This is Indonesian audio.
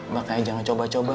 makanya jangan coba coba